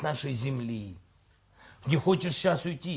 hanya tidak perlu tiga puluh meter